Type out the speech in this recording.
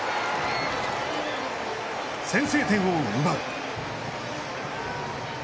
先制点を奪う。